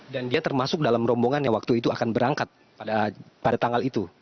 dan dia termasuk dalam rombongan yang waktu itu akan berangkat pada tanggal itu